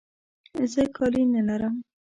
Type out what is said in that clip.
زه کالي نه لرم.